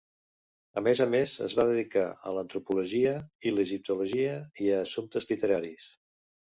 A més a més es va dedicar a l'antropologia i l'egiptologia i a assumptes literaris.